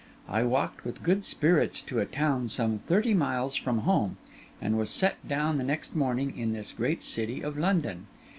I walked with good spirits to a town some thirty miles from home, and was set down the next morning in this great city of London.